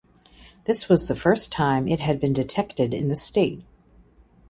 This was the first time it had been detected in the state.